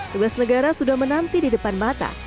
tugas negara sudah menanti di depan mata